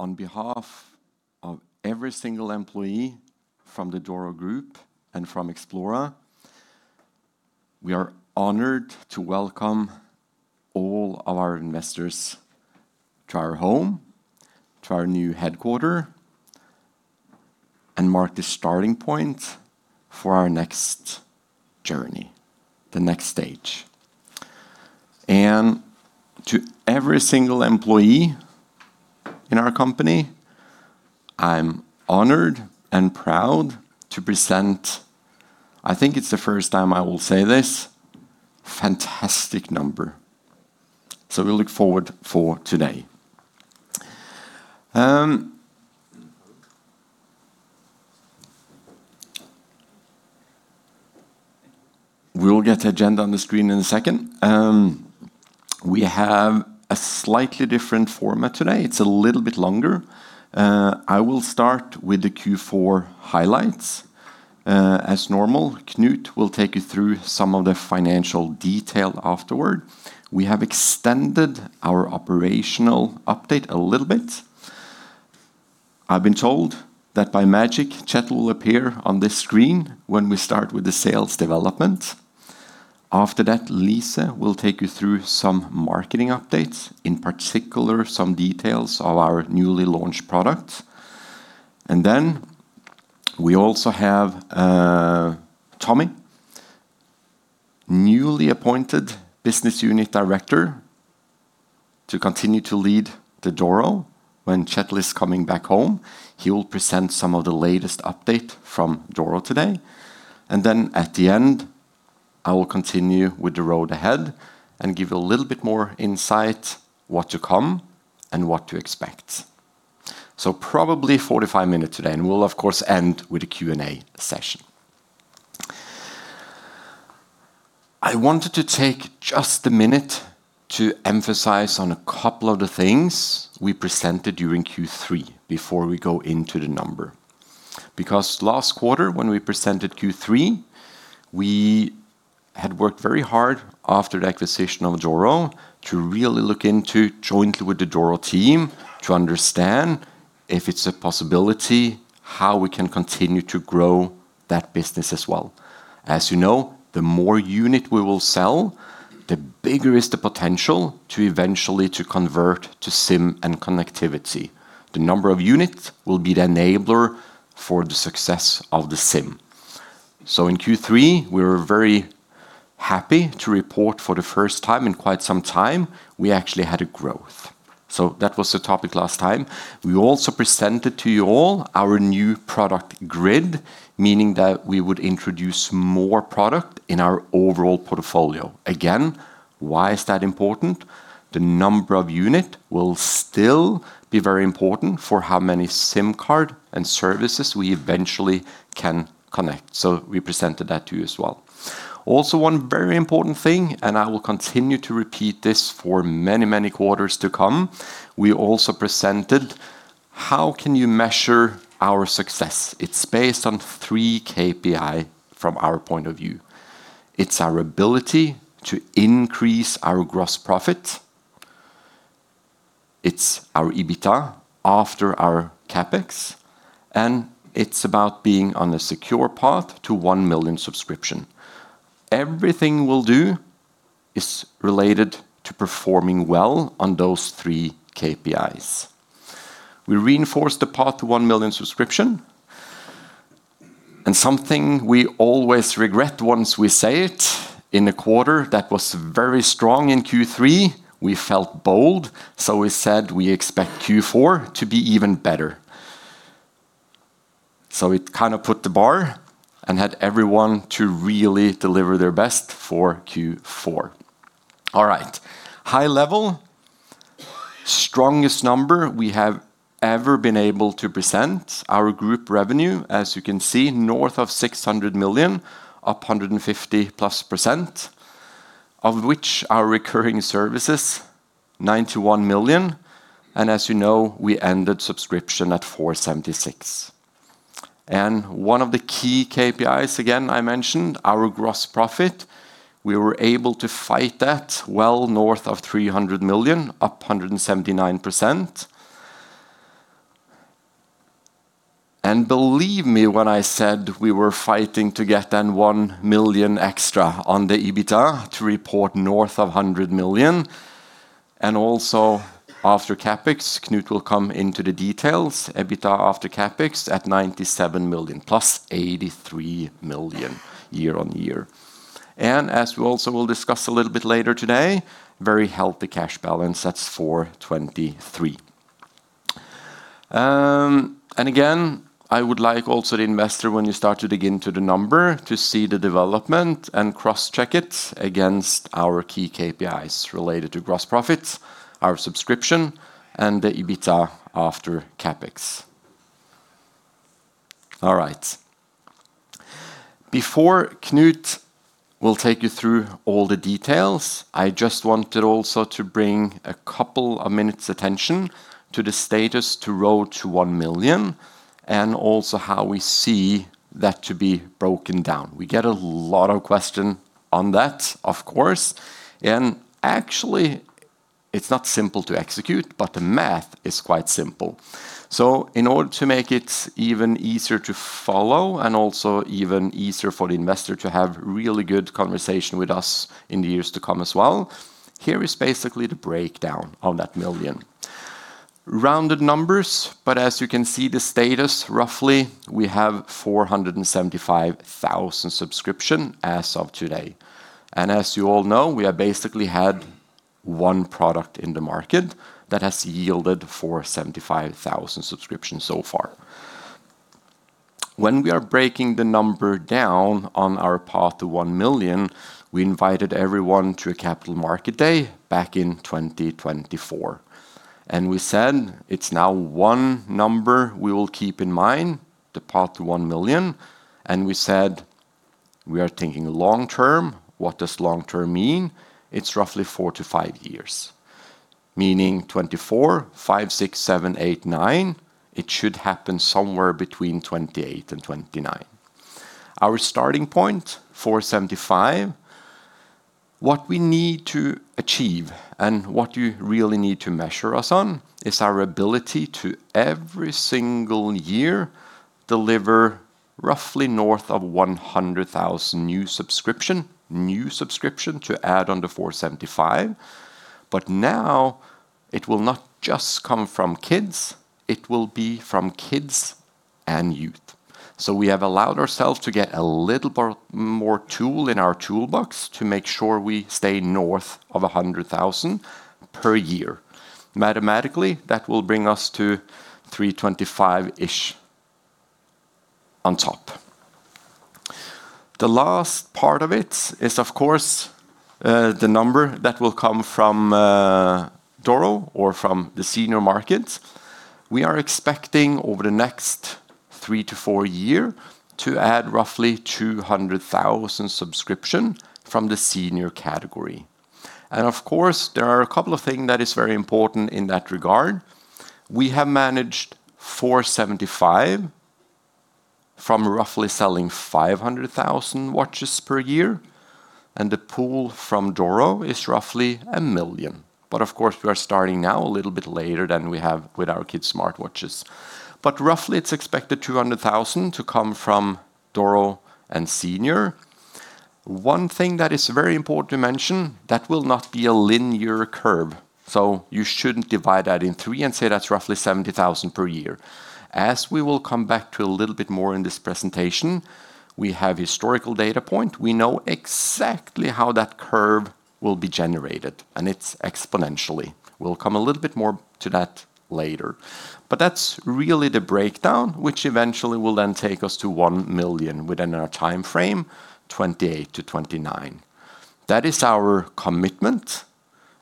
On behalf of every single employee from the Doro Group and from Xplora, we are honored to welcome all of our investors to our home, to our new headquarter. Mark the starting point for our next journey, the next stage. To every single employee in our company, I'm honored and proud to present, I think it's the first time I will say this, fantastic number. We look forward for today. We will get the agenda on the screen in a second. We have a slightly different format today. It's a little bit longer. I will start with the Q4 highlights. As normal, Knut will take you through some of the financial detail afterward. We have extended our operational update a little bit. I've been told that by magic, Kjetil will appear on this screen when we start with the sales development. After that, Lise will take you through some marketing updates, in particular, some details of our newly launched products. We also have Tommy, newly appointed business unit director, to continue to lead the Doro when Kjetil is coming back home. He will present some of the latest update from Doro today. At the end, I will continue with the road ahead and give you a little bit more insight, what to come and what to expect. Probably 45 minutes today, and we'll, of course, end with a Q&A session. I wanted to take just a minute to emphasize on a couple of the things we presented during Q3 before we go into the number. Last quarter, when we presented Q3, we had worked very hard after the acquisition of Doro to really look into, jointly with the Doro team, to understand if it's a possibility, how we can continue to grow that business as well. As you know, the more unit we will sell, the bigger is the potential to eventually to convert to SIM and connectivity. The number of units will be the enabler for the success of the SIM. In Q3, we were very happy to report for the first time in quite some time, we actually had a growth. That was the topic last time. We also presented to you all our new product grid, meaning that we would introduce more product in our overall portfolio. Again, why is that important? The number of unit will still be very important for how many SIM card and services we eventually can connect. We presented that to you as well. One very important thing, and I will continue to repeat this for many, many quarters to come, we also presented how can you measure our success? It's based on three KPI from our point of view. It's our ability to increase our gross profit, it's our EBITDA after our CapEx, and it's about being on a secure path to 1 million subscription. Everything we'll do is related to performing well on those three KPIs. We reinforced the path to 1 million subscription, and something we always regret once we say it in a quarter that was very strong in Q3, we felt bold, so we said we expect Q4 to be even better. It kinda put the bar and had everyone to really deliver their best for Q4. All right. High level, strongest number we have ever been able to present. Our group revenue, as you can see, north of 600 million, up +150%, of which our recurring services, 91 million. As you know, we ended subscription at 476,000. One of the key KPIs, again, I mentioned our gross profit. We were able to fight that well north of 300 million, up 179%. Believe me, when I said we were fighting to get an 1 million extra on the EBITDA to report north of 100 million, and also after CapEx, Knut will come into the details, EBITDA after CapEx at 97 million, 83 million+ year-over-year. As we also will discuss a little bit later today, very healthy cash balance. That's 2023. Again, I would like also the investor, when you start to dig into the number, to see the development and cross-check it against our key KPIs related to gross profits, our subscription, and the EBITDA after CapEx. All right. Before Knut will take you through all the details, I just wanted also to bring a couple of minutes attention to the status to road to 1 million, and also how we see that to be broken down. We get a lot of questions on that, of course, and actually, it's not simple to execute, but the math is quite simple. In order to make it even easier to follow and also even easier for the investor to have really good conversation with us in the years to come as well, here is basically the breakdown of that million. Rounded numbers, as you can see, the status, roughly, we have 475,000 subscriptions as of today. As you all know, we have basically had one product in the market that has yielded 475,000 subscriptions so far. When we are breaking the number down on our path to 1 million, we invited everyone to a capital market day back in 2024, we said, it's now one number we will keep in mind, the path to 1 million, we said, we are thinking long term. What does long term mean? It's roughly four to five years, meaning 2024, 2025, 2026, 2027, 2028, 2029. It should happen somewhere between 2028 and 2029. Our starting point, 475,000. What we need to achieve, and what you really need to measure us on, is our ability to, every single year, deliver roughly north of 100,000 new subscription to add on the 475,000. Now it will not just come from kids, it will be from kids and youth. We have allowed ourselves to get a little more tool in our toolbox to make sure we stay north of 100,000 per year. Mathematically, that will bring us to 325-ish on top. The last part of it is, of course, the number that will come from Doro or from the senior markets. We are expecting over the next three to four year, to add roughly 200,000 subscription from the senior category. Of course, there are a couple of things that is very important in that regard. We have managed 475,000 from roughly selling 500,000 watches per year, and the pool from Doro is roughly 1 million. Of course, we are starting now a little bit later than we have with our kids' smartwatches. Roughly, it's expected 200,000 to come from Doro and senior. One thing that is very important to mention, that will not be a linear curve, so you shouldn't divide that in three and say that's roughly 70,000 per year. As we will come back to a little bit more in this presentation, we have historical data point. We know exactly how that curve will be generated, and it's exponentially. We'll come a little bit more to that later. That's really the breakdown, which eventually will then take us to 1 million within our time frame, 2028-2029. That is our commitment,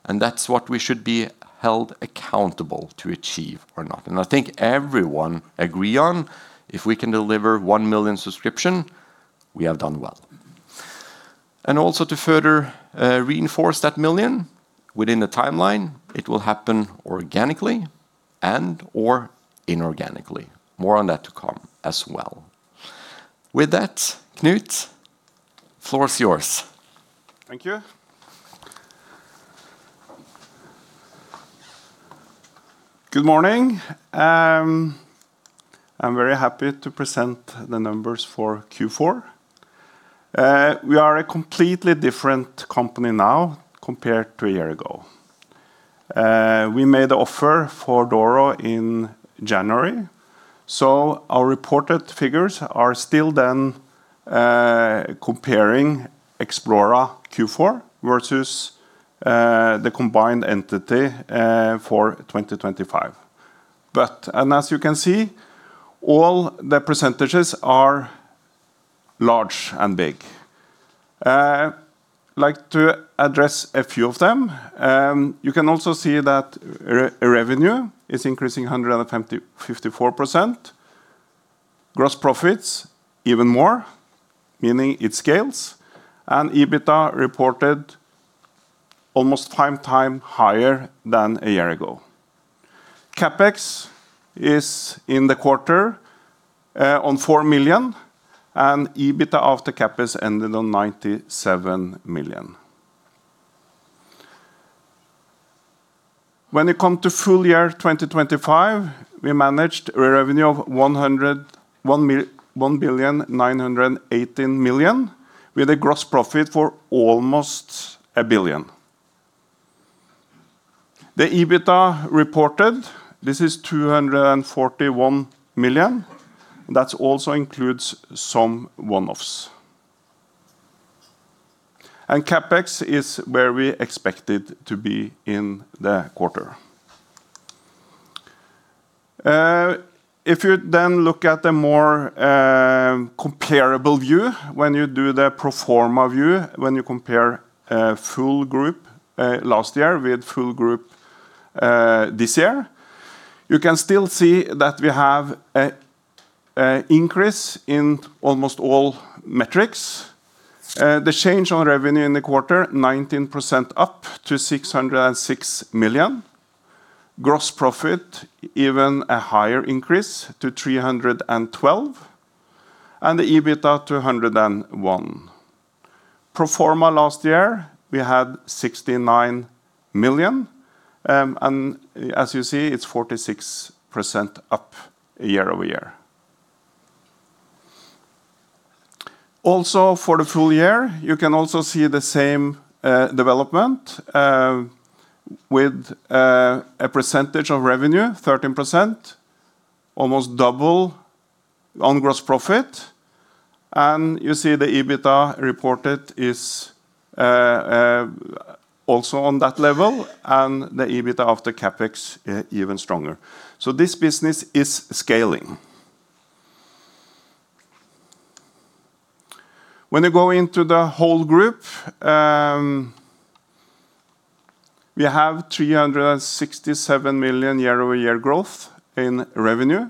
and that's what we should be held accountable to achieve or not. I think everyone agree on if we can deliver 1 million subscription, we have done well. Also to further reinforce that 1 million within the timeline, it will happen organically and, or inorganically. More on that to come as well. With that, Knut, floor is yours. Thank you. Good morning. I'm very happy to present the numbers for Q4. We are a completely different company now compared to a year ago. We made a offer for Doro in January, so our reported figures are still then, comparing Xplora Q4 versus, the combined entity, for 2025. As you can see, all the percentages are large and big. I'd like to address a few of them. You can also see that revenue is increasing 154%. Gross profits, even more, meaning it scales, and EBITDA reported almost 5x higher than a year ago. CapEx is in the quarter, on 4 million, and EBITDA of the CapEx ended on NOK 97 million. When it come to full year 2025, we managed a revenue of 1,918 million, with a gross profit for almost 1 billion. The EBITDA reported, this is 241 million. That also includes some one-offs. CapEx is where we expected to be in the quarter. If you then look at the more comparable view, when you do the pro forma view, when you compare full group last year with full group this year, you can still see that we have a increase in almost all metrics. The change on revenue in the quarter, 19% up to 606 million. Gross profit, even a higher increase to 312 million, and the EBITA to 101 million. Pro forma last year, we had 69 million, as you see, it's 46% up year-over-year. Also, for the full year, you can also see the same development, with a percentage of revenue, 13%, almost double on gross profit. You see the EBITA reported is also on that level, and the EBITA of the CapEx even stronger. This business is scaling. When you go into the whole group, we have 367 million year-over-year growth in revenue.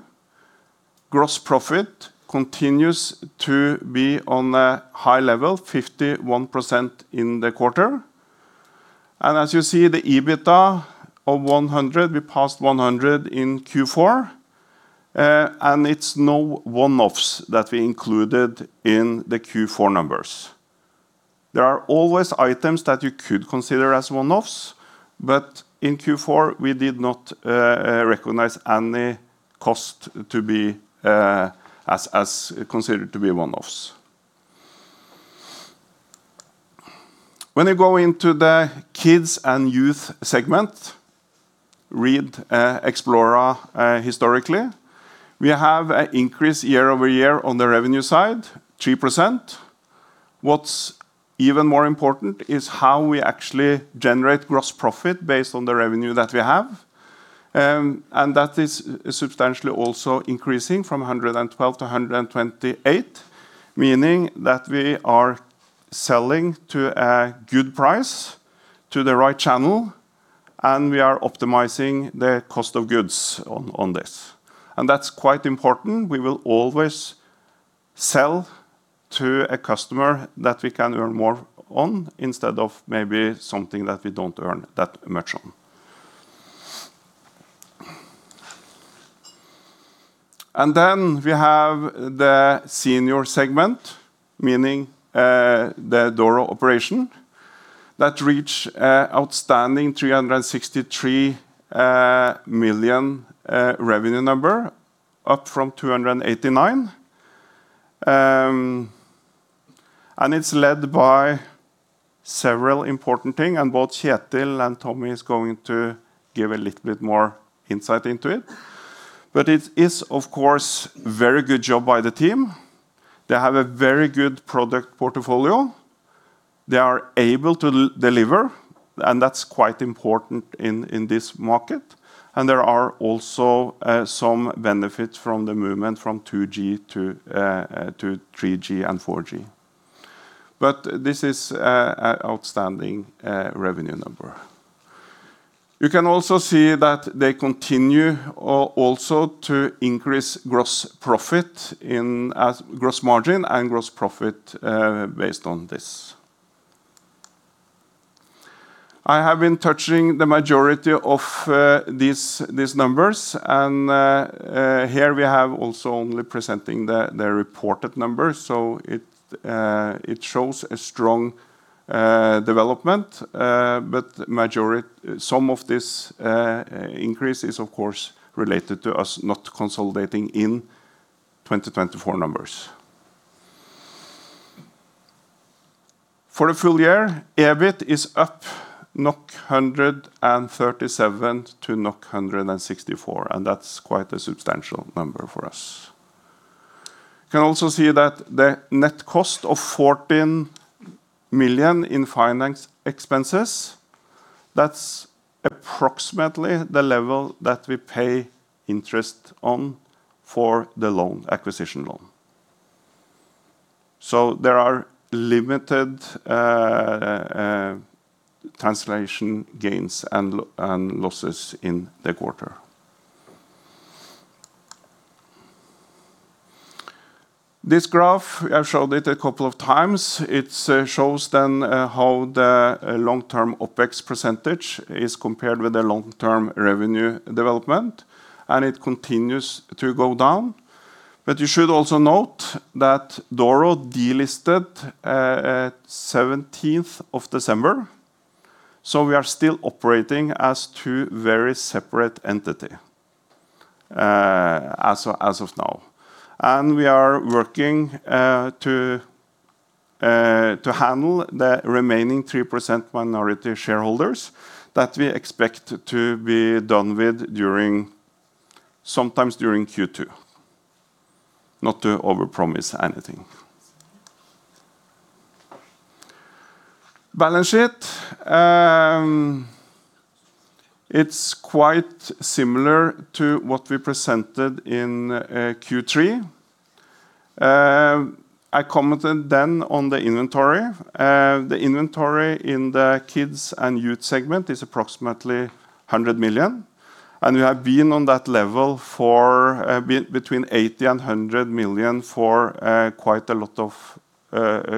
Gross profit continues to be on a high level, 51% in the quarter. As you see, the EBITA of 100 million, we passed 100 million in Q4, and it's no one-offs that we included in the Q4 numbers. There are always items that you could consider as one-offs. In Q4, we did not recognize any cost to be considered as one-offs. When you go into the kids and youth segment, read Xplora, historically, we have a increase year-over-year on the revenue side, 3%. What's even more important is how we actually generate gross profit based on the revenue that we have. That is substantially also increasing from 112 million to 128 million, meaning that we are selling to a good price, to the right channel, and we are optimizing the cost of goods on this. That's quite important. We will always sell to a customer that we can earn more on, instead of maybe something that we don't earn that much on. We have the senior segment, meaning, the Doro operation, that reach a outstanding 363 million revenue number, up from 289 million. It's led by several important thing, and both Kjetil and Tommy is going to give a little bit more insight into it. It is, of course, very good job by the team. They have a very good product portfolio. They are able to deliver, and that's quite important in this market, and there are also, some benefits from the movement from 2G to 3G and 4G. This is, a outstanding revenue number. You can also see that they continue also to increase gross profit in gross margin and gross profit, based on this. I have been touching the majority of these numbers. Here we have also only presenting the reported numbers, so it shows a strong development. Some of this increase is, of course, related to us not consolidating in 2024 numbers. For a full year, EBIT is up 137 million to 164 million, and that's quite a substantial number for us. You can also see that the net cost of 14 million in finance expenses, that's approximately the level that we pay interest on for the loan, acquisition loan. There are limited translation gains and losses in the quarter. This graph, I've showed it a couple of times. It shows then how the long-term OpEx percentage is compared with the long-term revenue development, and it continues to go down. You should also note that Doro delisted at 17th of December, so we are still operating as two very separate entity as of now. We are working to handle the remaining 3% minority shareholders that we expect to be done with during, sometimes during Q2. Not to overpromise anything. Balance sheet, it's quite similar to what we presented in Q3. I commented then on the inventory. The inventory in the kids and youth segment is approximately 100 million, and we have been on that level for between 80 million and 100 million for quite a lot of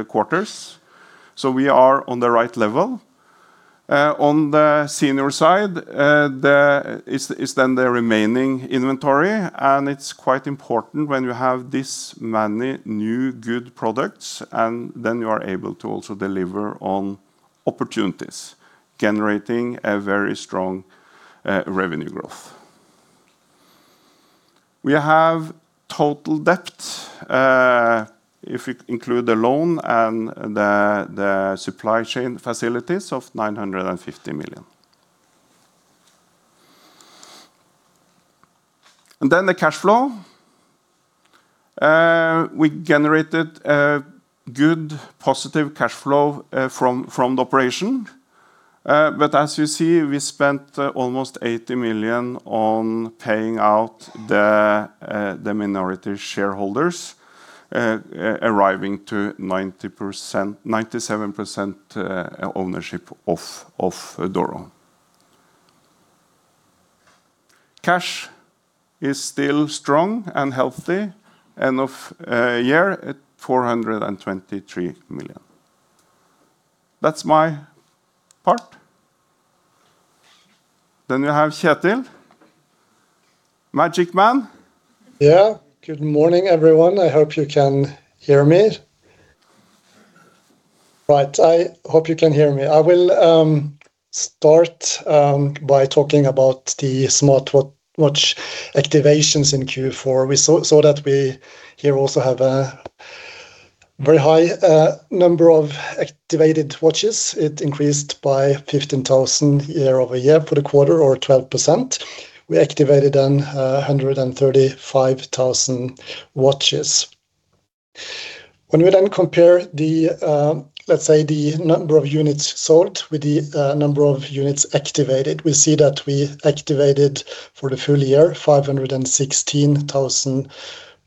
quarters. We are on the right level. On the senior side, the remaining inventory, and it's quite important when you have this many new, good products, and then you are able to also deliver on opportunities, generating a very strong revenue growth. We have total debt, if we include the loan and the supply chain facilities of 950 million. The cash flow. We generated a good, positive cash flow from the operation. As you see, we spent almost 80 million on paying out the minority shareholders, arriving to 90%, 97% ownership of Doro. Cash is still strong and healthy, end of year at 423 million. That's my part. We have Kjetil. Magic Man. Yeah. Good morning, everyone. I hope you can hear me. Right, I hope you can hear me. I will start by talking about the smart watch activations in Q4. We saw that we here also have a very high number of activated watches. It increased by 15,000 year-over-year for the quarter or 12%. We activated then 135,000 watches. When we then compare the, let's say, the number of units sold with the number of units activated, we see that we activated for the full year, 516,000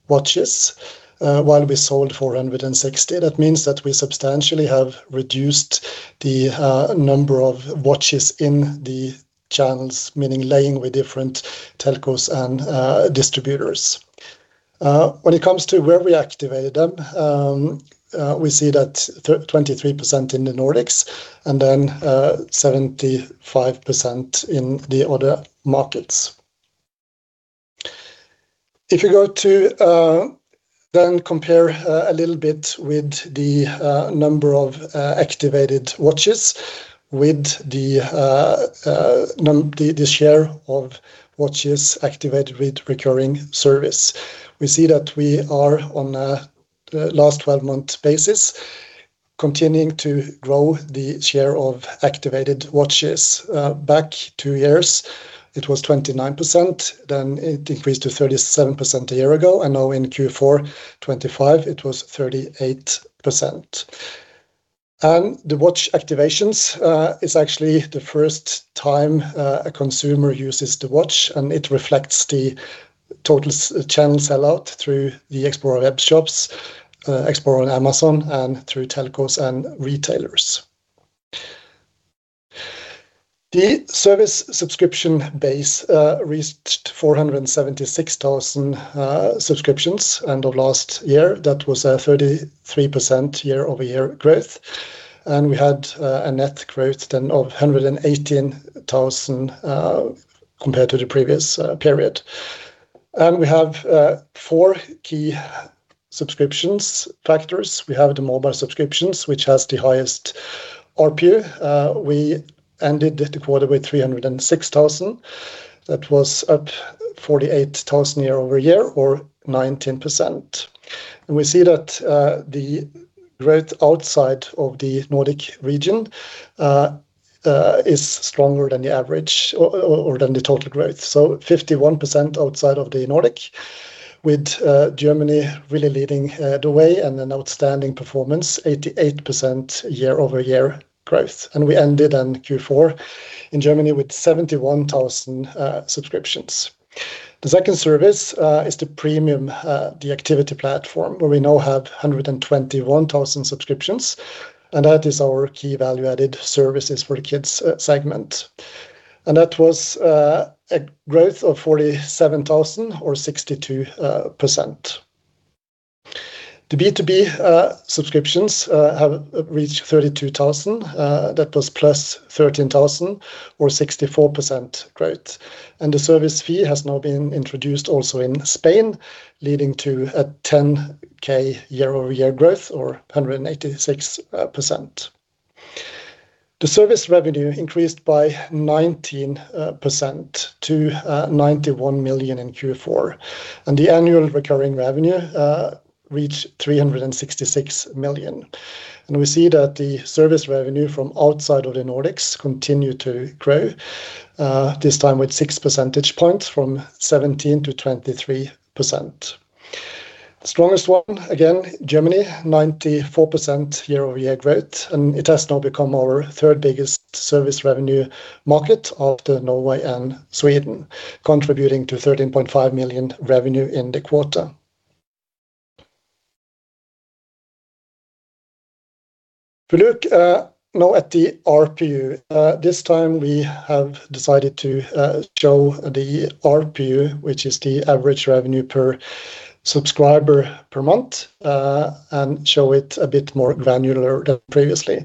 watches, while we sold 460,000. That means that we substantially have reduced the number of watches in the channels, meaning laying with different telcos and distributors. When it comes to where we activated them, we see that 23% in the Nordics and then 75% in the other markets. If you go to compare a little bit with the number of activated watches with the share of watches activated with recurring service, we see that we are on a last twelve-month basis, continuing to grow the share of activated watches. Back two years, it was 29%, then it increased to 37% a year ago, and now in Q4 2025, it was 38%. The watch activations is actually the first time a consumer uses the watch, and it reflects the total channel sell-out through the Xplora web shops, Xplora on Amazon, and through telcos and retailers. The service subscription base reached 476,000 subscriptions, end of last year. That was a 33% year-over-year growth, we had a net growth then of 118,000 compared to the previous period. We have four key subscriptions factors. We have the mobile subscriptions, which has the highest RPU. We ended the quarter with 306,000. That was up 48,000 year-over-year or 19%. We see that the growth outside of the Nordic region is stronger than the average or than the total growth. 51% outside of the Nordic, with Germany really leading the way and an outstanding performance, 88% year-over-year growth. We ended in Q4 in Germany with 71,000 subscriptions. The second service is the premium, the activity platform, where we now have 121,000 subscriptions, and that is our key value-added services for the kids segment. That was a growth of 47,000 or 62%. The B2B subscriptions have reached 32,000. That was +13,000 or 64% growth. The service fee has now been introduced also in Spain, leading to a 10,000 year-over-year growth or 186%. The service revenue increased by 19% to 91 million in Q4, and the annual recurring revenue reached 366 million. We see that the service revenue from outside of the Nordics continued to grow, this time with 6 percentage points from 17%-23%. The strongest one, again, Germany, 94% year-over-year growth. It has now become our third-biggest service revenue market after Norway and Sweden, contributing to 13.5 million revenue in the quarter. We look now at the ARPU. This time we have decided to show the ARPU, which is the average revenue per subscriber per month, and show it a bit more granular than previously.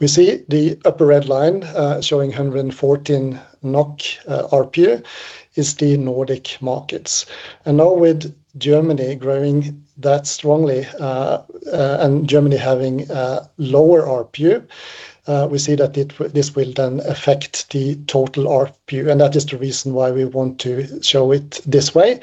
We see the upper red line, showing 114 million NOK ARPU, is the Nordic markets. Now with Germany growing that strongly, and Germany having a lower ARPU, we see that this will then affect the total ARPU, and that is the reason why we want to show it this way.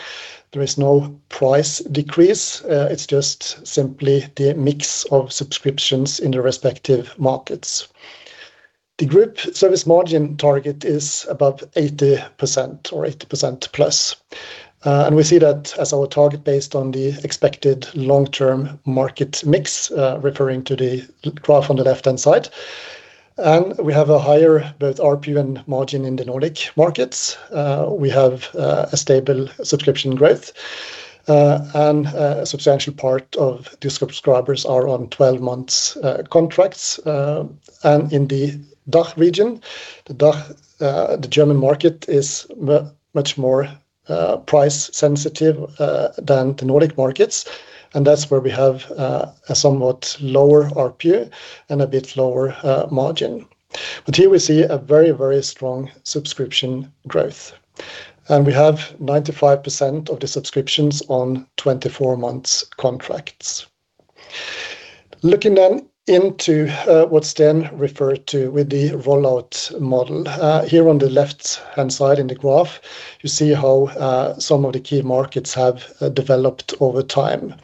There is no price decrease. It's just simply the mix of subscriptions in the respective markets. The group service margin target is above 80% or +80%. We see that as our target based on the expected long-term market mix, referring to the graph on the left-hand side. We have a higher both ARPU and margin in the Nordic markets. We have a stable subscription growth, and a substantial part of the subscribers are on 12 months contracts. In the DACH region, the DACH, the German market is much more price sensitive than the Nordic markets, and that's where we have a somewhat lower ARPU and a bit lower margin. Here we see a very, very strong subscription growth, and we have 95% of the subscriptions on 24 months contracts. Looking into what Sten referred to with the rollout model. Here on the left-hand side in the graph, you see how some of the key markets have developed over time.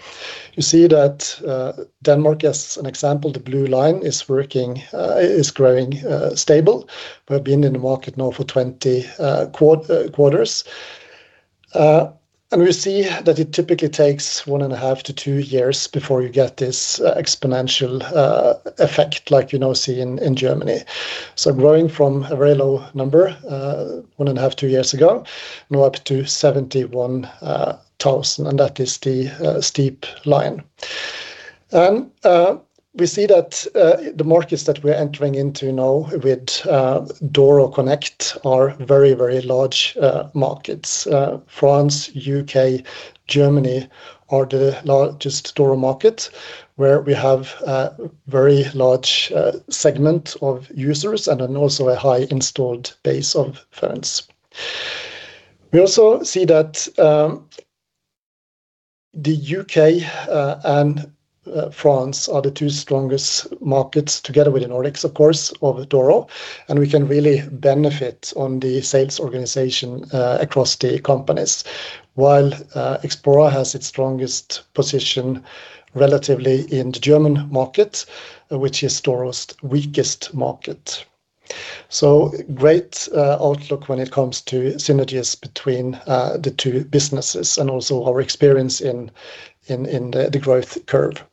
You see that Denmark, as an example, the blue line, is growing stable. We've been in the market now for 20 quarters. We see that it typically takes 1.5 to 2 years before you get this exponential effect, like you now see in Germany. Growing from a very low number, 1.5, 2 years ago, now up to 71,000, and that is the steep line. We see that the markets that we're entering into now with Doro Connect are very, very large markets. France, U.K., Germany are the largest Doro market, where we have a very large segment of users and then also a high installed base of phones. We also see that the U.K. and France are the two strongest markets together with the Nordics, of course, of Doro, and we can really benefit on the sales organization across the companies. While Xplora has its strongest position relatively in the German market, which is Doro's weakest market. Great outlook when it comes to synergies between the two businesses and also our experience in the growth curve.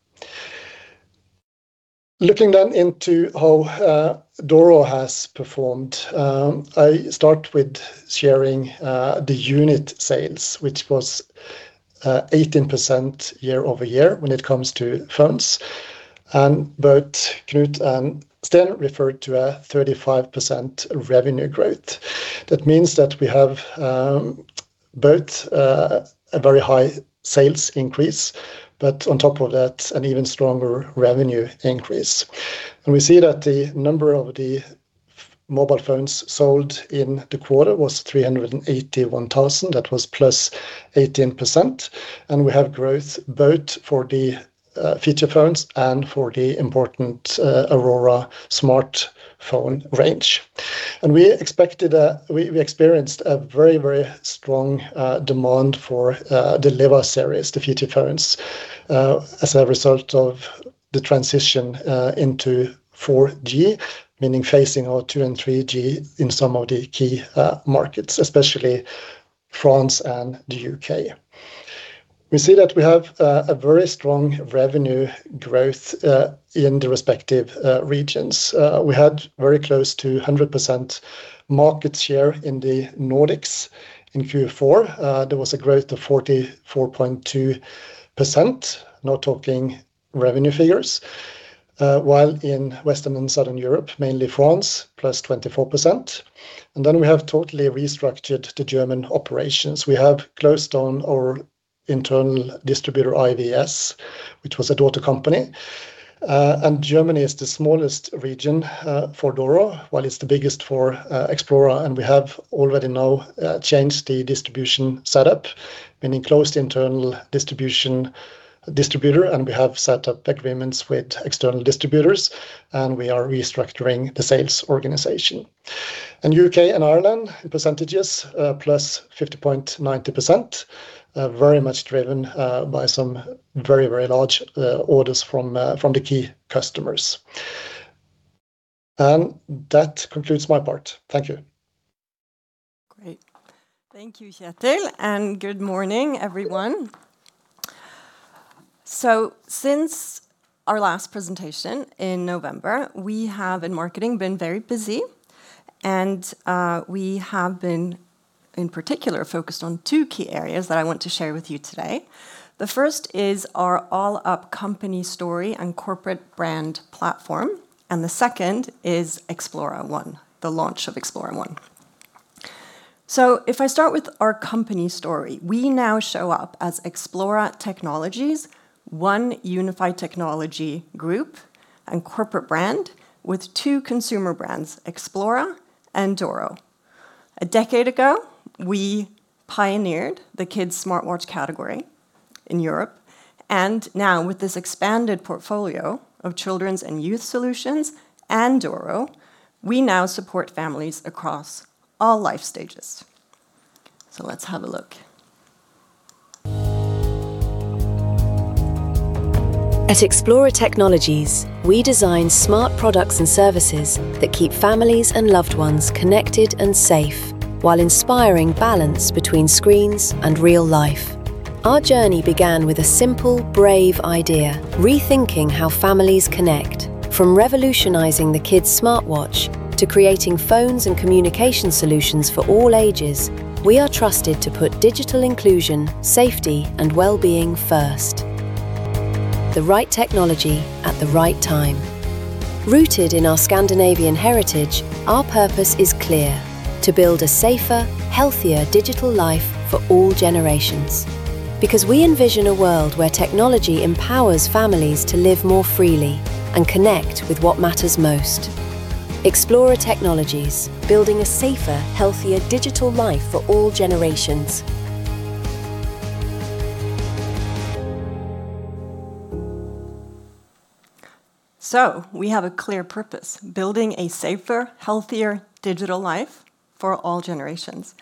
Looking then into how Doro has performed, I start with sharing the unit sales, which was 18% year-over-year when it comes to phones. Knut still referred to a 35% revenue growth. That means that we have both a very high sales increase, but on top of that, an even stronger revenue increase. We see that the number of the mobile phones sold in the quarter was 381,000. That was +18%, and we have growth both for the feature phones and for the important Doro Aurora smartphone range. We experienced a very, very strong demand for the Leva series, the feature phones, as a result of the transition into 4G, meaning phasing out 2G and 3G in some of the key markets, especially France and the U.K. We see that we have a very strong revenue growth in the respective regions. We had very close to 100% market share in the Nordics in Q4. There was a growth of 44.2%, now talking revenue figures. While in Western and Southern Europe, mainly France, +24%. We have totally restructured the German operations. We have closed down our internal distributor, IVS, which was a daughter company. Germany is the smallest region for Doro, while it's the biggest for Xplora, and we have already now changed the distribution setup, meaning closed internal distribution distributor, and we have set up agreements with external distributors, and we are restructuring the sales organization. U.K. and Ireland, the percentages are +50.90%. Very much driven by some very, very large orders from the key customers. That concludes my part. Thank you. Great. Thank you, Kjetil, and good morning, everyone. Since our last presentation in November, we have, in marketing, been very busy. And we have been, in particular, focused on two key areas that I want to share with you today. The first is our all-up company story and corporate brand platform, and the second is XploraOne, the launch of XploraOne. If I start with our company story, we now show up as Xplora Technologies, one unified technology group and corporate brand with two consumer brands, Xplora and Doro. A decade ago, we pioneered the kids' smartwatch category in Europe, and now with this expanded portfolio of children's and youth solutions and Doro, we now support families across all life stages. Let's have a look. At Xplora Technologies, we design smart products and services that keep families and loved ones connected and safe, while inspiring balance between screens and real life. Our journey began with a simple, brave idea: rethinking how families connect. From revolutionizing the kids' smartwatch to creating phones and communication solutions for all ages, we are trusted to put digital inclusion, safety, and well-being first. The right technology at the right time. Rooted in our Scandinavian heritage, our purpose is clear: to build a safer, healthier digital life for all generations, because we envision a world where technology empowers families to live more freely and connect with what matters most. Xplora Technologies, building a safer, healthier digital life for all generations. We have a clear purpose: building a safer, healthier digital life for all generations.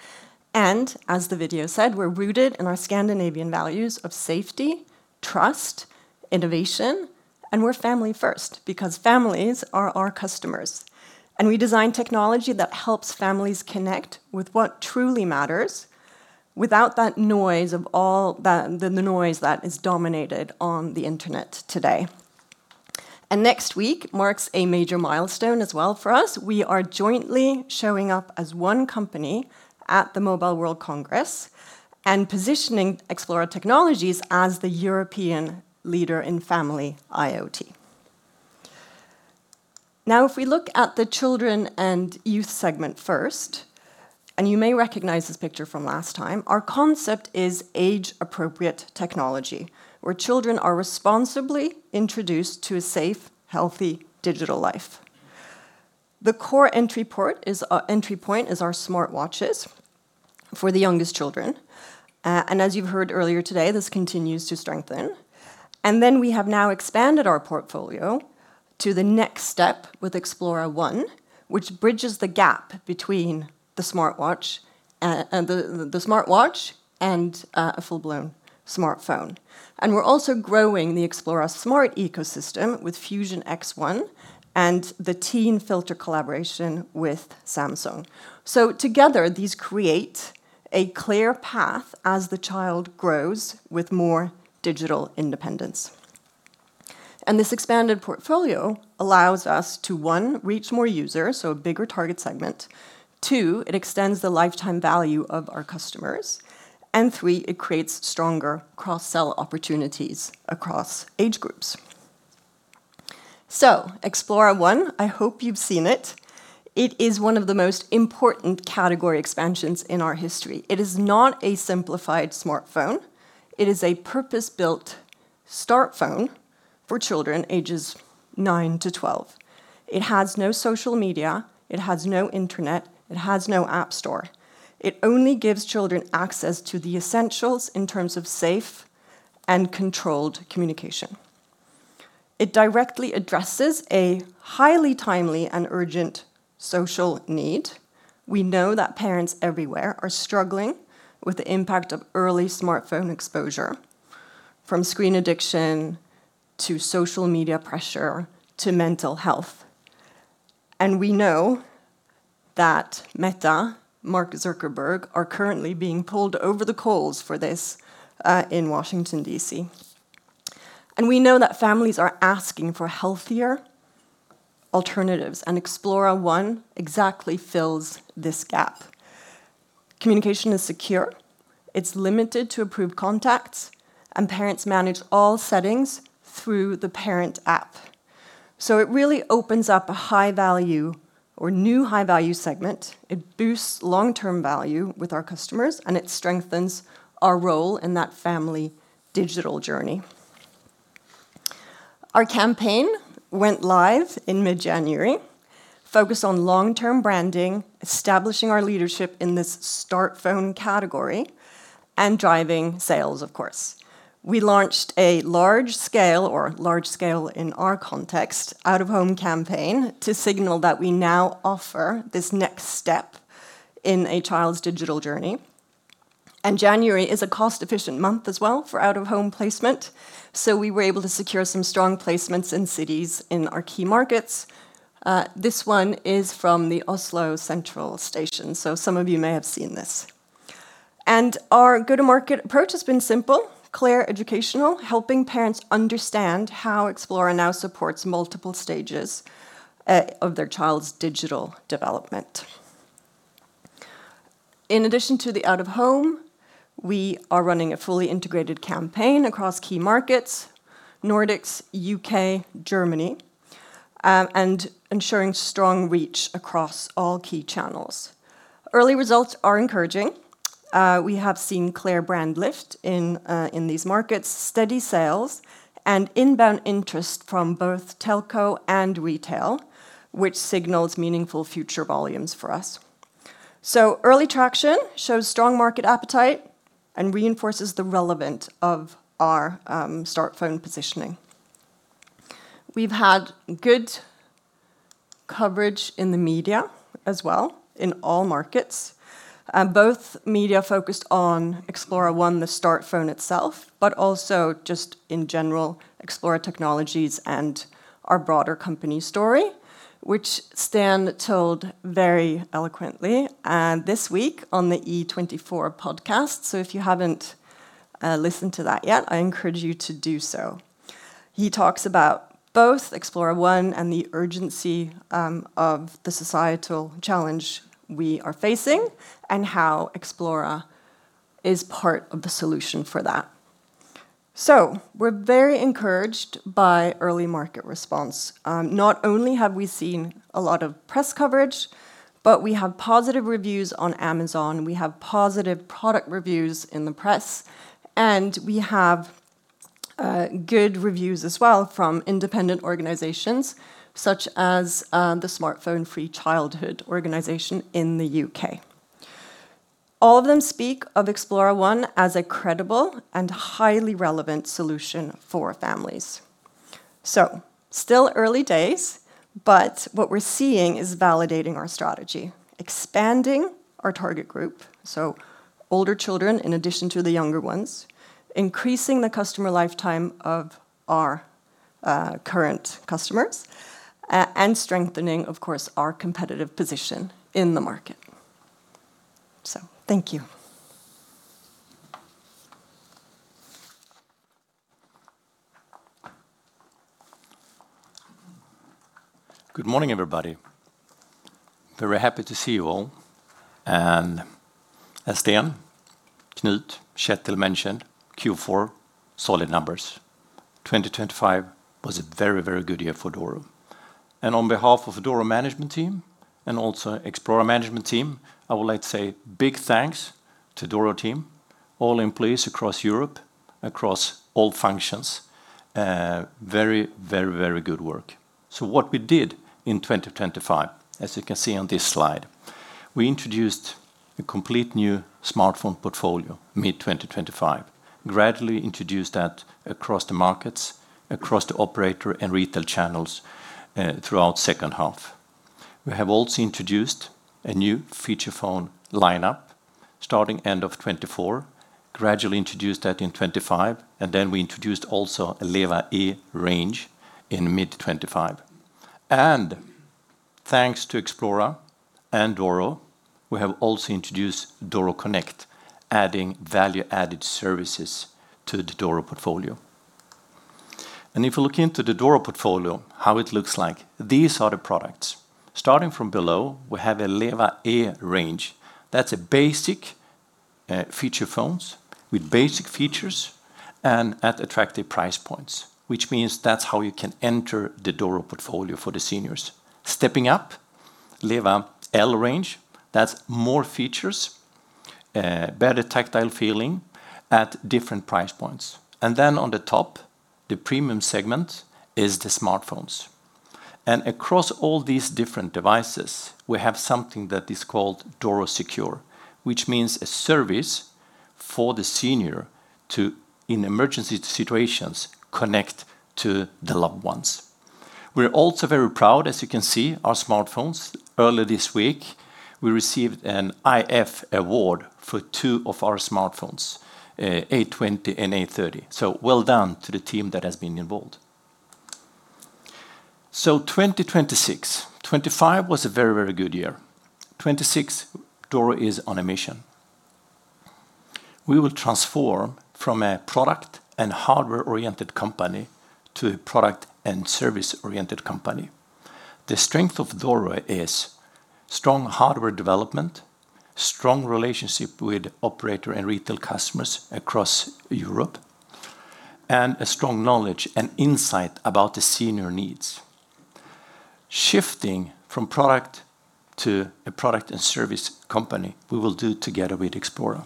As the video said, we're rooted in our Scandinavian values of safety, trust, innovation, and we're family first, because families are our customers. We design technology that helps families connect with what truly matters without that noise of all the noise that is dominated on the Internet today. Next week marks a major milestone as well for us. We are jointly showing up as one company at the Mobile World Congress and positioning Xplora Technologies as the European leader in family IoT. Now, if we look at the children and youth segment first, and you may recognize this picture from last time, our concept is age-appropriate technology, where children are responsibly introduced to a safe, healthy digital life. The core entry point is our smartwatches for the youngest children, as you've heard earlier today, this continues to strengthen. We have now expanded our portfolio to the next step with XploraOne, which bridges the gap between the smartwatch and a full-blown smartphone. We're also growing the Xplora smart ecosystem with Fusion X1 and the Teen Filter collaboration with Samsung. Together, these create a clear path as the child grows with more digital independence. This expanded portfolio allows us to, one, reach more users, so a bigger target segment. Two, it extends the lifetime value of our customers. Three, it creates stronger cross-sell opportunities across age groups. XploraOne, I hope you've seen it. It is one of the most important category expansions in our history. It is not a simplified smartphone. It is a purpose-built start phone for children ages 9 to 12. It has no social media, it has no internet, it has no app store. It only gives children access to the essentials in terms of safe and controlled communication. It directly addresses a highly timely and urgent social need. We know that parents everywhere are struggling with the impact of early smartphone exposure, from screen addiction to social media pressure to mental health. We know that Meta, Mark Zuckerberg, are currently being pulled over the coals for this in Washington, D.C. We know that families are asking for healthier alternatives, XploraOne exactly fills this gap. Communication is secure, it's limited to approved contacts, parents manage all settings through the parent app. It really opens up a high-value or new high-value segment. It boosts long-term value with our customers, and it strengthens our role in that family digital journey. Our campaign went live in mid-January, focused on long-term branding, establishing our leadership in this start phone category, and driving sales, of course. We launched a large scale, or large scale in our context, out-of-home campaign to signal that we now offer this next step in a child's digital journey. January is a cost-efficient month as well for out-of-home placement, so we were able to secure some strong placements in cities in our key markets. This one is from the Oslo Central Station, so some of you may have seen this. Our go-to-market approach has been simple, clear, educational, helping parents understand how Xplora now supports multiple stages of their child's digital development. In addition to the out-of-home, we are running a fully integrated campaign across key markets, Nordics, U.K., Germany, and ensuring strong reach across all key channels. Early results are encouraging. We have seen clear brand lift in these markets, steady sales, and inbound interest from both telco and retail, which signals meaningful future volumes for us. Early traction shows strong market appetite and reinforces the relevant of our start phone positioning. We've had good coverage in the media as well, in all markets, and both media focused on XploraOne, the start phone itself, but also just in general, Xplora Technologies and our broader company story, which Sten told very eloquently this week on the E24-podden. If you haven't listened to that yet, I encourage you to do so. He talks about both XploraOne and the urgency of the societal challenge we are facing, and how Xplora is part of the solution for that. We're very encouraged by early market response. Not only have we seen a lot of press coverage, but we have positive reviews on Amazon, we have positive product reviews in the press, and we have good reviews as well from independent organizations such as the Smartphone Free Childhood organization in the U.K. All of them speak of XploraOne as a credible and highly relevant solution for families. Still early days, but what we're seeing is validating our strategy, expanding our target group, so older children, in addition to the younger ones, increasing the customer lifetime of our current customers, and strengthening, of course, our competitive position in the market. Thank you. Good morning, everybody. Very happy to see you all. As Sten, Knut, Kjetil mentioned, Q4, solid numbers. 2025 was a very, very good year for Doro. On behalf of Doro management team and also Xplora management team, I would like to say big thanks to Doro team, all employees across Europe, across all functions. Very, very, very good work. What we did in 2025, as you can see on this slide, we introduced a complete new smartphone portfolio, mid-2025, gradually introduced that across the markets, across the operator and retail channels, throughout second half. We have also introduced a new feature phone lineup, starting end of 2024, gradually introduced that in 2025, and then we introduced also a Leva E range in mid-2025. Thanks to Xplora and Doro, we have also introduced Doro Connect, adding value-added services to the Doro portfolio. If you look into the Doro portfolio, how it looks like, these are the products. Starting from below, we have a Leva E range. That's a basic feature phones with basic features and at attractive price points, which means that's how you can enter the Doro portfolio for the seniors. Stepping up, Leva L range, that's more features, better tactile feeling at different price points. On the top, the premium segment is the smartphones. Across all these different devices, we have something that is called Doro Secure, which means a service for the senior to, in emergency situations, connect to the loved ones. We're also very proud, as you can see, our smartphones. Earlier this week, we received an iF DESIGN AWARD for two of our smartphones, A20 and A30. Well done to the team that has been involved. 2026. 2025 was a very, very good year. 2026, Doro is on a mission. We will transform from a product and hardware-oriented company to a product and service-oriented company. The strength of Doro is strong hardware development, strong relationship with operator and retail customers across Europe, and a strong knowledge and insight about the senior needs. Shifting from product to a product and service company, we will do together with Xplora.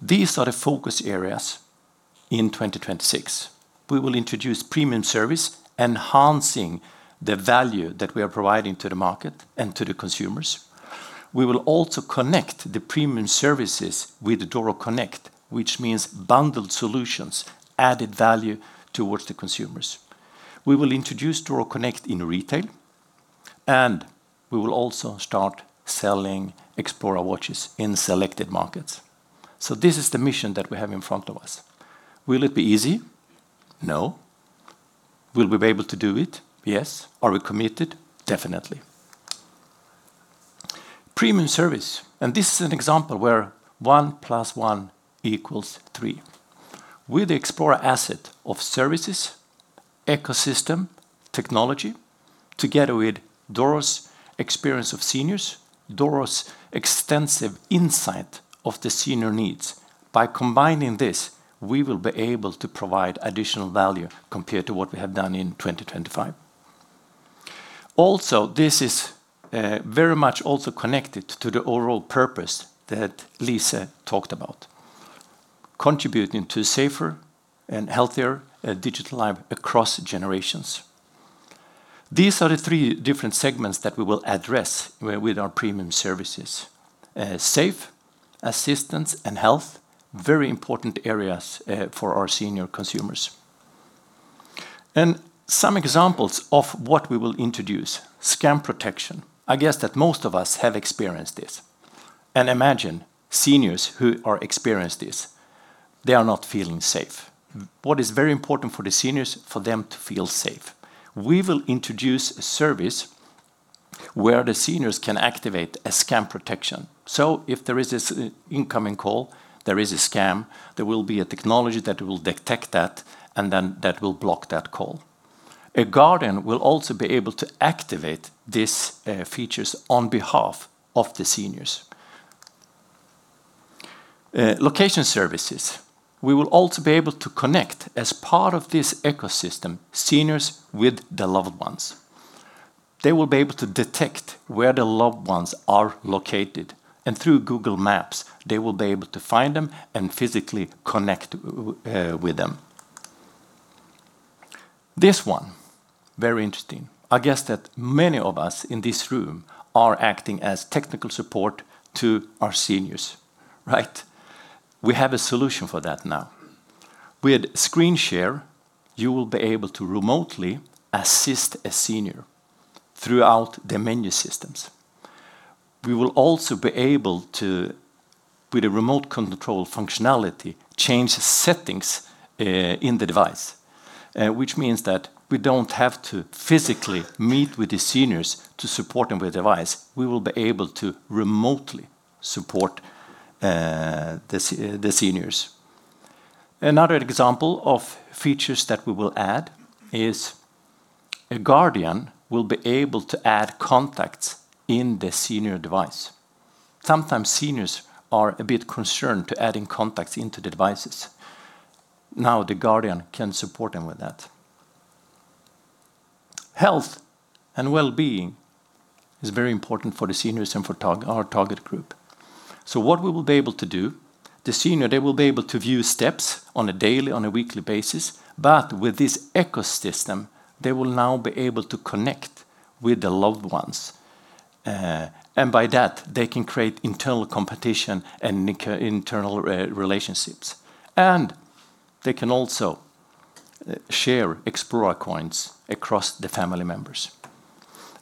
These are the focus areas in 2026. We will introduce premium service, enhancing the value that we are providing to the market and to the consumers. We will also connect the premium services with Doro Connect, which means bundled solutions, added value towards the consumers. We will introduce Doro Connect in retail, and we will also start selling Xplora watches in selected markets. This is the mission that we have in front of us. Will it be easy? Will we be able to do it? Yes. Are we committed? Definitely. Premium service. This is an example where 1+1 equals 3. With the Xplora asset of services, ecosystem, technology, together with Doro's experience of seniors, Doro's extensive insight of the senior needs. By combining this, we will be able to provide additional value compared to what we have done in 2025. This is very much also connected to the overall purpose that Lise talked about: contributing to safer and healthier digital life across generations. These are the three different segments that we will address with our premium services. Safe, assistance, and health, very important areas for our senior consumers. Some examples of what we will introduce, scam protection. I guess that most of us have experienced this, and imagine seniors who are experienced this, they are not feeling safe. What is very important for the seniors, for them to feel safe. We will introduce a service where the seniors can activate a scam protection. If there is this incoming call, there is a scam, there will be a technology that will detect that, and then that will block that call. A guardian will also be able to activate these features on behalf of the seniors. Location services. We will also be able to connect, as part of this ecosystem, seniors with their loved ones. They will be able to detect where their loved ones are located, and through Google Maps, they will be able to find them and physically connect with them. This one, very interesting. I guess that many of us in this room are acting as technical support to our seniors, right? We have a solution for that now. With Screen Share, you will be able to remotely assist a senior throughout the menu systems. We will also be able to, with a remote control functionality, change the settings in the device, which means that we don't have to physically meet with the seniors to support them with the device. We will be able to remotely support the seniors. Another example of features that we will add is a guardian will be able to add contacts in the senior device. Sometimes seniors are a bit concerned to adding contacts into the devices. The guardian can support them with that. Health and well-being is very important for the seniors and for our target group. What we will be able to do, the senior, they will be able to view steps on a daily, on a weekly basis, but with this ecosystem, they will now be able to connect with their loved ones. and by that, they can create internal competition and internal relationships, and they can also share Xplora Coins across the family members.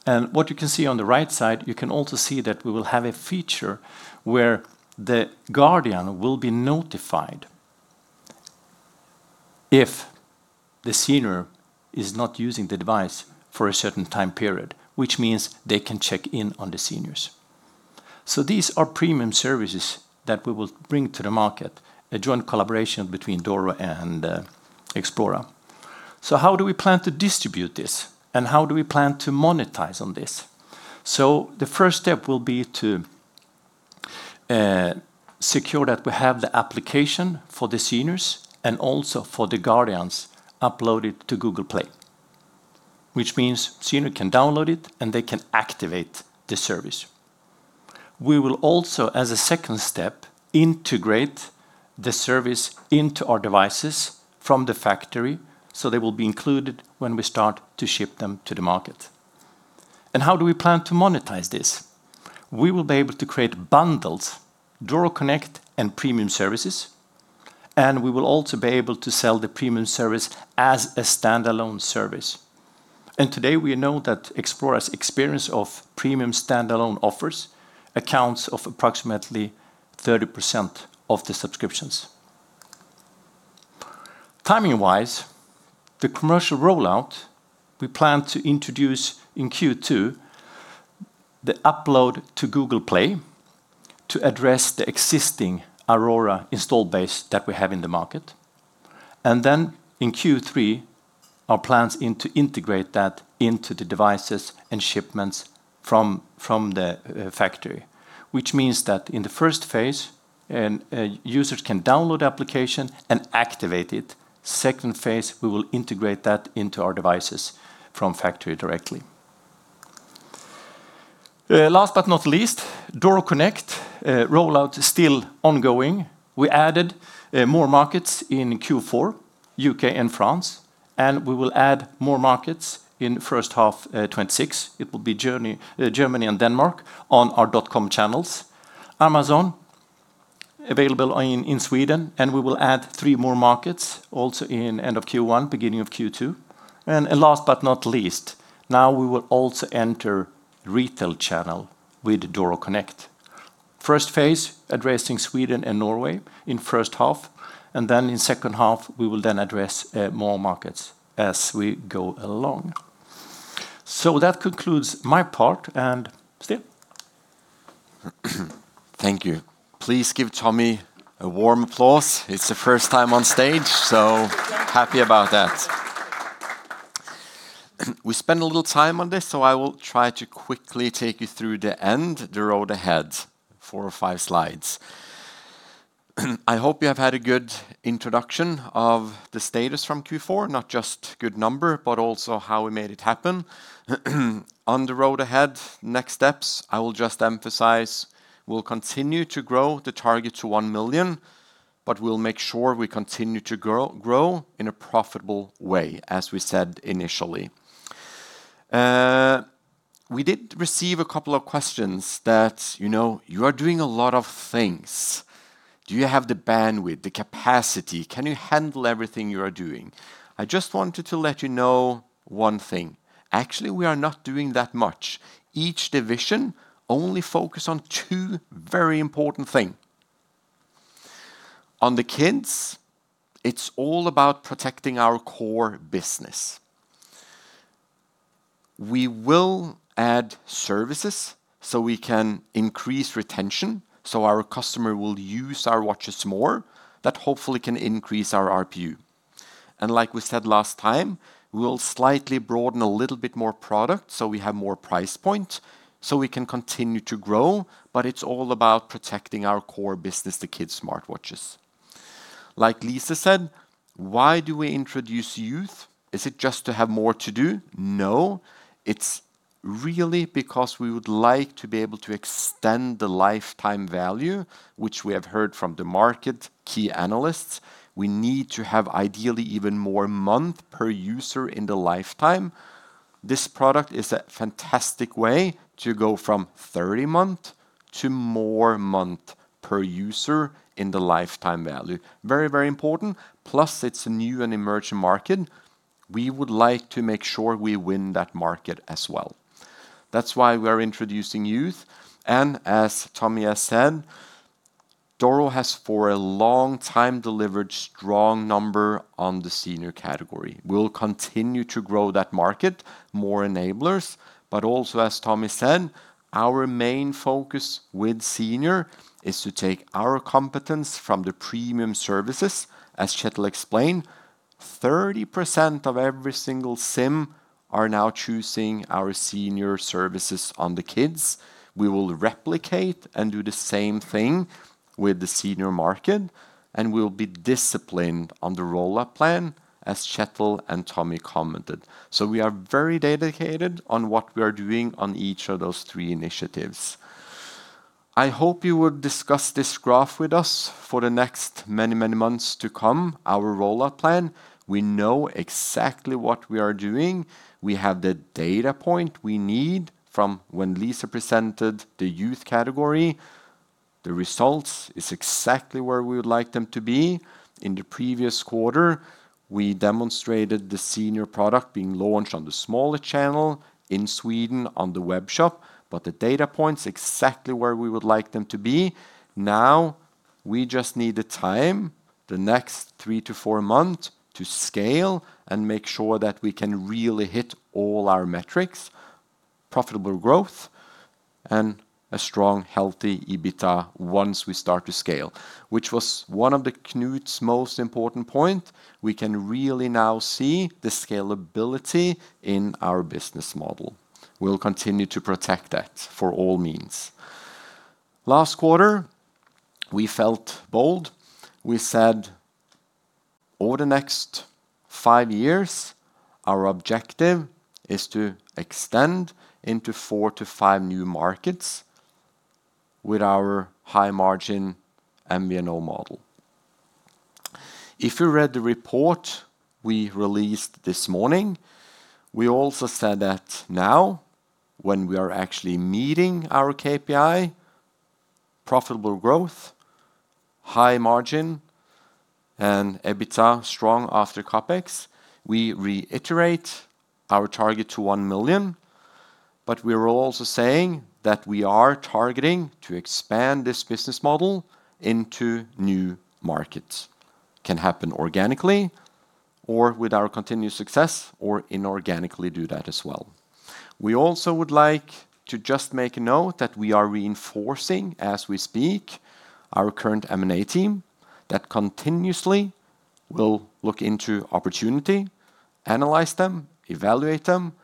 What you can see on the right side, you can also see that we will have a feature where the guardian will be notified if the senior is not using the device for a certain time period, which means they can check in on the seniors. These are premium services that we will bring to the market, a joint collaboration between Doro and Xplora. How do we plan to distribute this, and how do we plan to monetize on this? The first step will be to secure that we have the application for the seniors and also for the guardians uploaded to Google Play, which means senior can download it, and they can activate the service. We will also, as a second step, integrate the service into our devices from the factory, so they will be included when we start to ship them to the market. How do we plan to monetize this? We will be able to create bundles, Doro Connect and premium services, and we will also be able to sell the premium service as a standalone service. Today, we know that Xplora's experience of premium standalone offers accounts of approximately 30% of the subscriptions. Timing-wise, the commercial rollout, we plan to introduce in Q2, the upload to Google Play to address the existing Aurora install base that we have in the market. In Q3, our plan is to integrate that into the devices and shipments from the factory, which means that in the first phase, users can download the application and activate it. Second phase, we will integrate that into our devices from factory directly. Last but not least, Doro Connect rollout is still ongoing. We added more markets in Q4, U.K. and France, and we will add more markets in first half 2026. It will be Germany and Denmark on our dotcom channels. Amazon, available in Sweden, and we will add three more markets also in end of Q1, beginning of Q2. Last but not least, now we will also enter retail channel with Doro Connect. First phase, addressing Sweden and Norway in first half, and then in second half, we will then address more markets as we go along. That concludes my part, Sten? Thank you. Please give Tommy a warm applause. It's the first time on stage, so happy about that. We spent a little time on this, so I will try to quickly take you through the end, the road ahead, four or five slides. I hope you have had a good introduction of the status from Q4, not just good number, but also how we made it happen. On the road ahead, next steps, I will just emphasize, we'll continue to grow the target to 1 million, but we'll make sure we continue to grow in a profitable way, as we said initially. We did receive a couple of questions that, you know, you are doing a lot of things. Do you have the bandwidth, the capacity? Can you handle everything you are doing? I just wanted to let you know 1 thing. Actually, we are not doing that much. Each division only focus on two very important thing. On the kids, it's all about protecting our core business. We will add services so we can increase retention, so our customer will use our watches more. That hopefully can increase our RPU. Like we said last time, we will slightly broaden a little bit more product, so we have more price point, so we can continue to grow, but it's all about protecting our core business, the kids' smartwatches. Like Lise said, why do we introduce youth? Is it just to have more to do? It's really because we would like to be able to extend the lifetime value, which we have heard from the market key analysts. We need to have ideally even more month per user in the lifetime. This product is a fantastic way to go from 30 months to more months per user in the lifetime value. Very, very important. It's a new and emerging market. We would like to make sure we win that market as well. That's why we're introducing youth. As Tommy has said, Doro has, for a long time, delivered strong number on the senior category. We'll continue to grow that market, more enablers, but also, as Tommy said, our main focus with senior is to take our competence from the premium services, as Kjetil explained. 30% of every single SIM are now choosing our senior services on the kids. We will replicate and do the same thing with the senior market, and we'll be disciplined on the roll-up plan, as Kjetil and Tommy commented. We are very dedicated on what we are doing on each of those three initiatives. I hope you will discuss this graph with us for the next many, many months to come, our roll-up plan. We know exactly what we are doing. We have the data point we need from when Lise presented the youth category. The results is exactly where we would like them to be. In the previous quarter, we demonstrated the senior product being launched on the smaller channel in Sweden, on the web shop, but the data point's exactly where we would like them to be. Now, we just need the time, the next three-four months, to scale and make sure that we can really hit all our metrics: profitable growth and a strong, healthy EBITDA once we start to scale, which was one of Knut's most important point. We can really now see the scalability in our business model. We'll continue to protect that for all means. Last quarter, we felt bold. We said, "Over the next five years, our objective is to extend into four to five new markets with our high-margin MVNO model." If you read the report we released this morning, we also said that now, when we are actually meeting our KPI, profitable growth, high margin, and EBITDA strong after CapEx, we reiterate our target to 1 million, but we are also saying that we are targeting to expand this business model into new markets. Can happen organically or with our continued success, or inorganically do that as well. We also would like to just make a note that we are reinforcing, as we speak, our current M&A team, that continuously will look into opportunity, analyze them, evaluate them,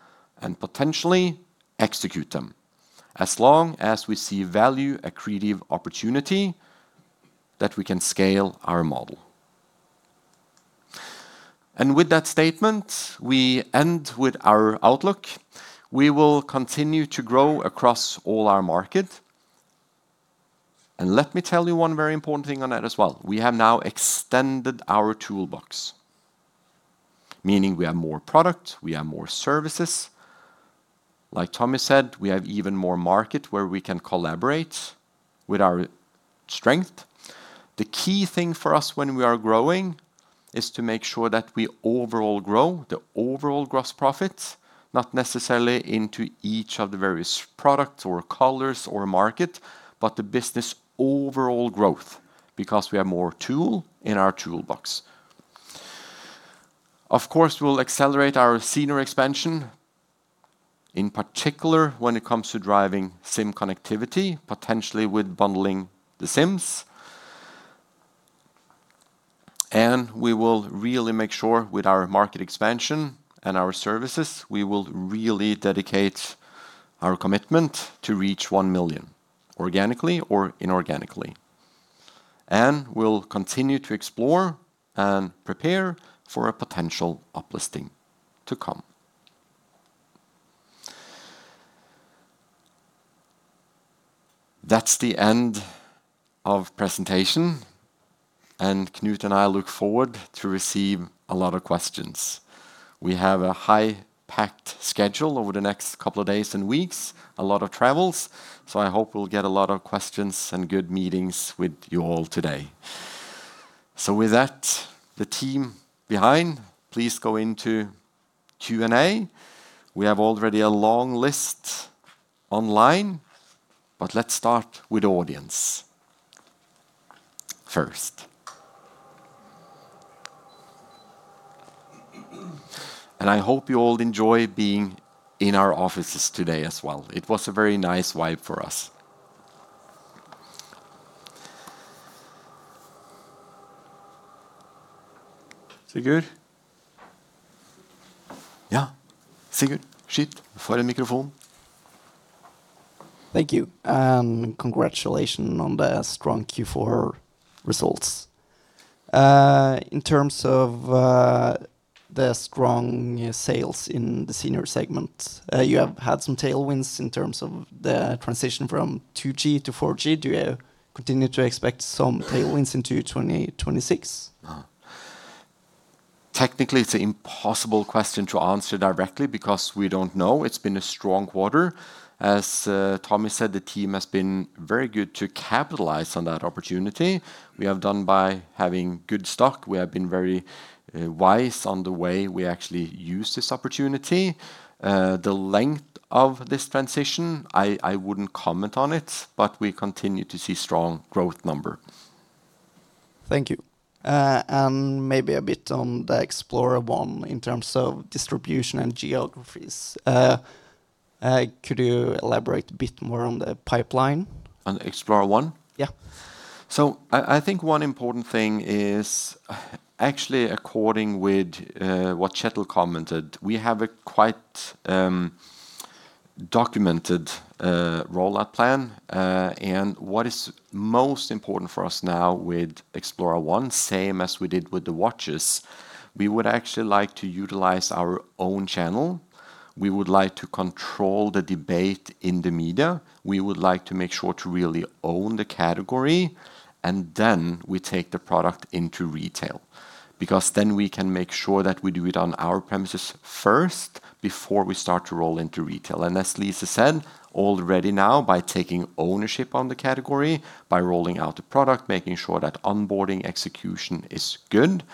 and potentially execute them, as long as we see value accretive opportunity that we can scale our model. With that statement, we end with our outlook. We will continue to grow across all our market. Let me tell you one very important thing on that as well. We have now extended our toolbox, meaning we have more product, we have more services. Like Tommy said, we have even more market where we can collaborate with our. The key thing for us when we are growing is to make sure that we overall grow, the overall gross profit, not necessarily into each of the various products or colors or market, but the business overall growth, because we have more tool in our toolbox. Of course, we'll accelerate our senior expansion, in particular, when it comes to driving SIM connectivity, potentially with bundling the SIMs. We will really make sure with our market expansion and our services, we will really dedicate our commitment to reach 1 million, organically or inorganically. We'll continue to explore and prepare for a potential uplisting to come. That's the end of presentation, and Knut and I look forward to receive a lot of questions. We have a high-packed schedule over the next couple of days and weeks, a lot of travels. I hope we'll get a lot of questions and good meetings with you all today. With that, the team behind, please go into Q&A. We have already a long list online. Let's start with audience first. I hope you all enjoy being in our offices today as well. It was a very nice vibe for us. Sigurd? Yeah. Sigurd, shoot for the microphone. Thank you, and congratulations on the strong Q4 results. In terms of, the strong sales in the senior segment, you have had some tailwinds in terms of the transition from 2G to 4G. Do you continue to expect some tailwinds into 2026? Technically, it's an impossible question to answer directly because we don't know. It's been a strong quarter. As Tommy said, the team has been very good to capitalize on that opportunity. We have done by having good stock. We have been very wise on the way we actually use this opportunity. The length of this transition, I wouldn't comment on it, but we continue to see strong growth number. Thank you. maybe a bit on the XploraOne, in terms of distribution and geographies. could you elaborate a bit more on the pipeline? On XploraOne? Yeah. I think one important thing is actually, according with what Kjetil commented, we have a quite documented rollout plan. What is most important for us now with XploraOne, same as we did with the watches, we would actually like to utilize our own channel. We would like to control the debate in the media. We would like to make sure to really own the category, and then we take the product into retail, because then we can make sure that we do it on our premises first before we start to roll into retail. As Lise said, already now, by taking ownership on the category, by rolling out the product, making sure that onboarding execution is good,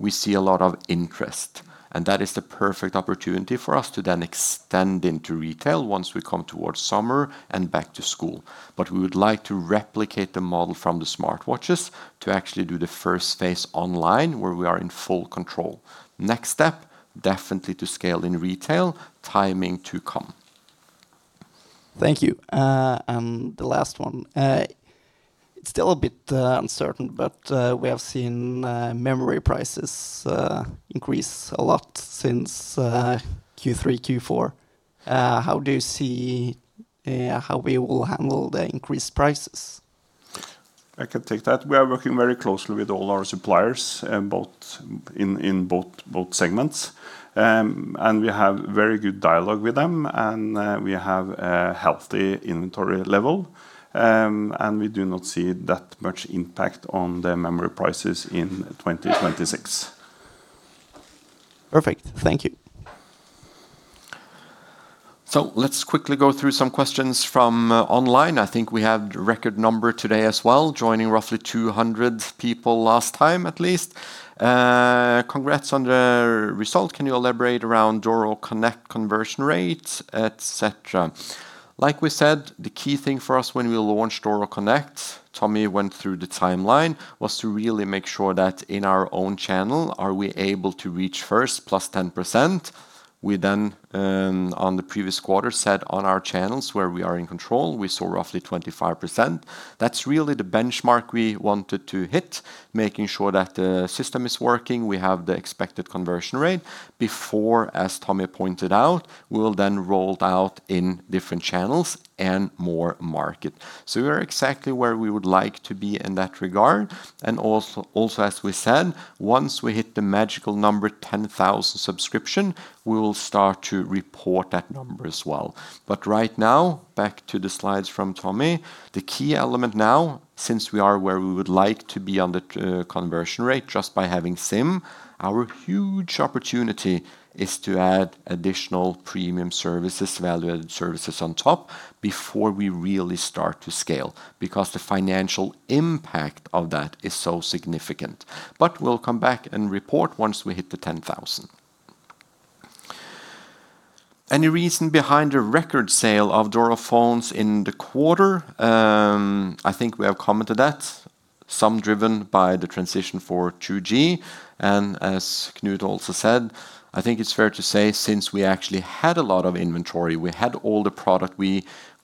we see a lot of interest, and that is the perfect opportunity for us to then extend into retail once we come towards summer and back to school. We would like to replicate the model from the smartwatches to actually do the first phase online, where we are in full control. Next step, definitely to scale in retail. Timing to come. Thank you. The last one. It's still a bit uncertain but we have seen memory prices increase a lot since Q3, Q4. How do you see how we will handle the increased prices? I can take that. We are working very closely with all our suppliers, in both segments. We have very good dialogue with them. We have a healthy inventory level. We do not see that much impact on the memory prices in 2026. Perfect. Thank you. Let's quickly go through some questions from online. I think we have record number today as well, joining roughly 200 people last time, at least. "Congrats on the result. Can you elaborate around Doro Connect conversion rate, et cetera?" Like we said, the key thing for us when we launched Doro Connect, Tommy went through the timeline, was to really make sure that in our own channel, are we able to reach first +10%. We then, on the previous quarter, said on our channels where we are in control, we saw roughly 25%. That's really the benchmark we wanted to hit, making sure the system is working, we have the expected conversion rate before, as Tommy pointed out, we will then roll out in different channels and more market. We are exactly where we would like to be in that regard. Also, as we said, once we hit the magical number, 10,000 subscription, we will start to report that number as well. Right now, back to the slides from Tommy. The key element now, since we are where we would like to be on the conversion rate, just by having SIM, our huge opportunity is to add additional premium services, value-added services on top before we really start to scale, because the financial impact of that is so significant. We'll come back and report once we hit the 10,000. Any reason behind the record sale of Doro phones in the quarter? I think we have commented that. Some driven by the transition for 2G. As Knut also said, I think it's fair to say, since we actually had a lot of inventory, we had all the product we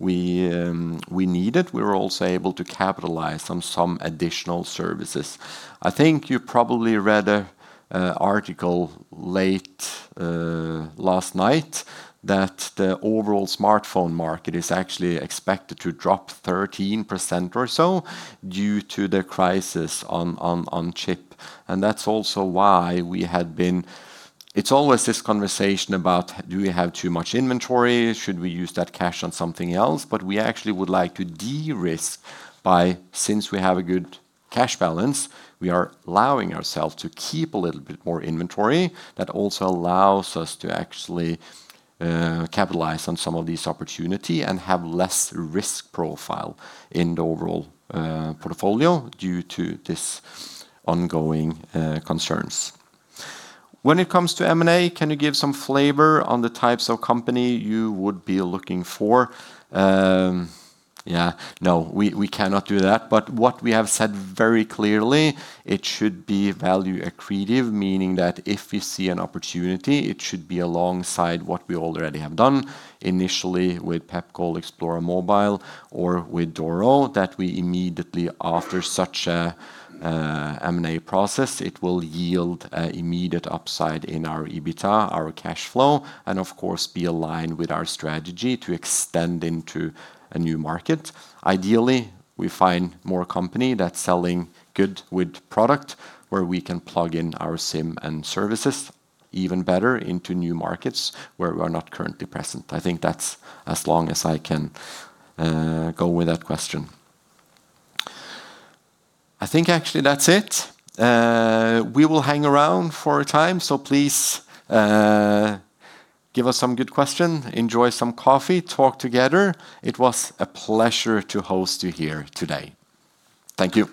needed, we were also able to capitalize on some additional services. I think you probably read an article late last night that the overall smartphone market is actually expected to drop 13% or so due to the crisis on chip. That's also why we had been. It's always this conversation about: do we have too much inventory? Should we use that cash on something else? We actually would like to de-risk by, since we have a good cash balance, we are allowing ourselves to keep a little bit more inventory. That also allows us to actually capitalize on some of these opportunity and have less risk profile in the overall portfolio due to this ongoing concerns. When it comes to M&A, can you give some flavor on the types of company you would be looking for? Yeah, no, we cannot do that. What we have said very clearly, it should be value accretive, meaning that if we see an opportunity, it should be alongside what we already have done, initially with Pepkor, Xplora, or with Doro, that we immediately after such a M&A process, it will yield a immediate upside in our EBITDA, our cash flow, and of course, be aligned with our strategy to extend into a new market. Ideally, we find more company that's selling good wood product, where we can plug in our SIM and services even better into new markets where we are not currently present. I think that's as long as I can go with that question. I think actually that's it. We will hang around for a time, so please give us some good question, enjoy some coffee, talk together. It was a pleasure to host you here today. Thank you.